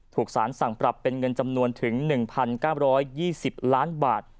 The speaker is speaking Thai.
ถูกสารสั่งปรับเป็นเงินจำนวนถึง๑๙๒๐ล้านบาท